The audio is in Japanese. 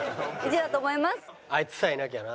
あいつさえいなきゃな！